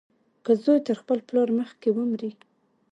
که زوى تر خپل پلار مخکې ومري.